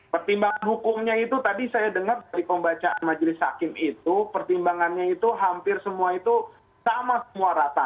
pertimbangan hukumnya itu tadi saya dengar dari pembacaan majelis hakim itu pertimbangannya itu hampir semua itu sama semua rata